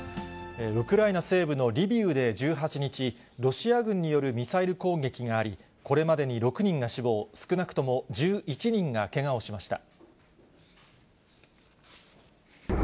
ウクライナ西部のリビウで１８日、ロシア軍によるミサイル攻撃があり、これまでに６人が死亡、少なくとも１１人がけがをしました。